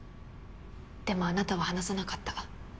でもあなたは話さなかった。